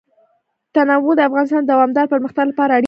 تنوع د افغانستان د دوامداره پرمختګ لپاره اړین دي.